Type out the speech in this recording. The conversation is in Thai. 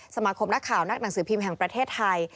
สมาคมนักข่าวนักหนังสือพิมพ์แห่งประเทศไทย